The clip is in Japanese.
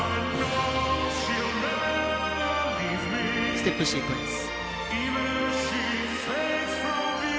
ステップシークエンス。